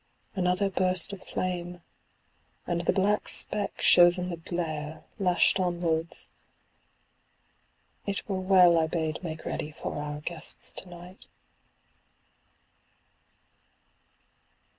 Another burst of flame — and the black speck shows in the glare, lashed onwards. It were well I bade make ready for our guests to night.